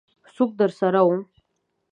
څوک درسره وو؟